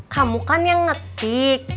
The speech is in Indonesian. kamu kan yang ngetik